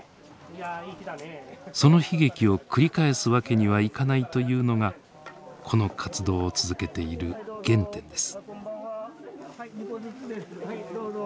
その悲劇を繰り返すわけにはいかないというのがこの活動を続けている原点です。